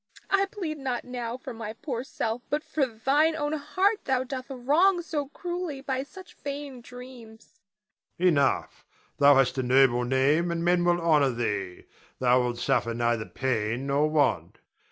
I plead not now for my poor self, but for thine own heart thou doth wrong so cruelly by such vain dreams. Adrian. Enough. Thou hast a noble name and men will honor thee, thou wilt suffer neither pain nor want.